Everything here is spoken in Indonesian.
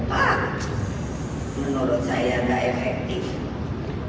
pak menurut saya nggak efektif